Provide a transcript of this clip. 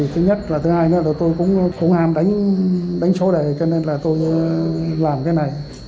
thứ nhất là thứ hai nữa là tôi cũng ham đánh số đề cho nên là tôi làm cái này